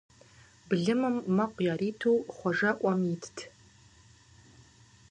Былымым мэкъу яриту Хъуэжэ Ӏуэм итт.